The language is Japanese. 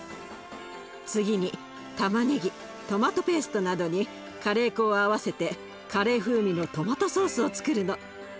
次にたまねぎトマトペーストなどにカレー粉を合わせてカレー風味のトマトソースをつくるの。